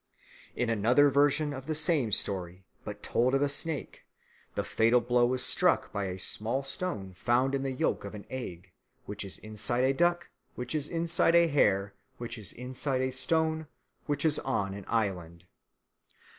In another version of the same story, but told of a snake, the fatal blow is struck by a small stone found in the yolk of an egg, which is inside a duck, which is inside a hare, which is inside a stone, which is on an island."